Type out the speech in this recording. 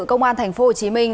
công an thành phố hồ chí minh